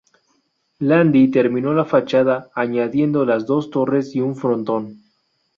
Landi terminó la fachada, añadiendo las dos torres y un frontón.